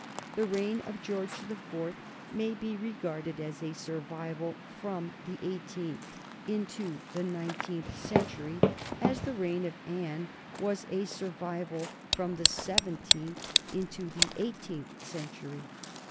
The reign of George the Fourth may be regarded as a survival from the eighteenth into the nineteenth century, as the reign of Anne was a survival from the seventeenth into the eighteenth century.